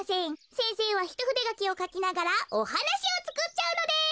せんせいはひとふでがきをかきながらおはなしをつくっちゃうのです。